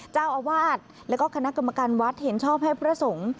เจ้าอาวาสแล้วก็คณะกรรมการวัดเห็นชอบให้พระสงฆ์